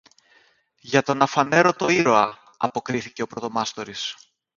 Για τον Αφανέρωτο Ήρωα, αποκρίθηκε ο πρωτομάστορης.